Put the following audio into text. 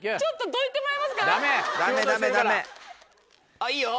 あっいいよ。